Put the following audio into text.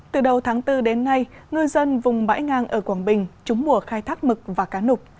từ đầu tháng bốn đến nay ngư dân vùng bãi ngang ở quảng bình trúng mùa khai thác mực và cá nục